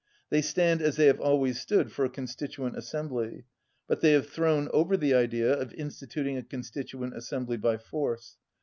They stand, as they have always stood, for a Constituent Assembly, but they have thrown over the idea of instituting a Constituent Assembly by force.